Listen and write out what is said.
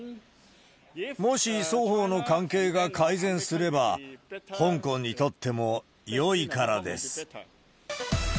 もし双方の関係が改善すれば、香港にとってもよいからです。